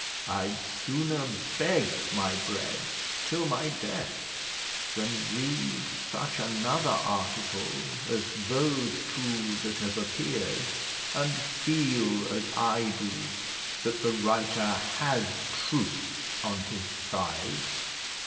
I'd sooner beg my bread till my death than read such another article as those two that have appeared, and feel, as I do, that the writer has truth on his side."